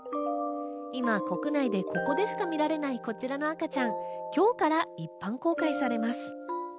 今、国内でここでしか見られない、こちらの赤ちゃん、今日から一般公開されます。